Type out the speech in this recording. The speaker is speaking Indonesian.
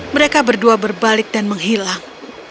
mereka berdua berbalik dan menghilang